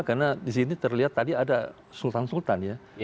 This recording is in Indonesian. karena di sini terlihat tadi ada sultan sultan ya